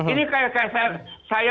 ini seperti saya